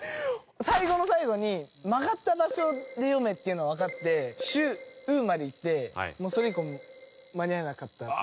最後の最後に曲がった場所で読めっていうのはわかって「しゅう」までいってそれ以降間に合わなかった。